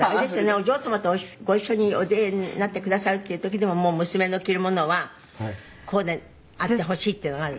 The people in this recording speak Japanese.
お嬢様とご一緒にお出になってくださるっていう時でも娘の着るものはこうであってほしいっていうのがある？」